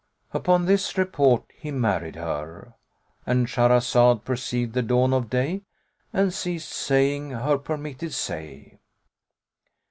Upon this report he married her,—And Shahrazad perceived the dawn of day and ceased saying her permitted say.